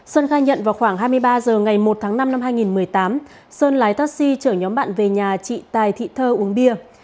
sơn khai nhận vào khoảng hai mươi ba h ngày một tháng năm năm hai nghìn một mươi tám sơn lái taxi chở nhóm bạn về nhà chị tài thị thơ uống bia